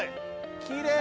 きれい。